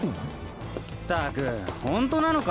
ったくホントなのか？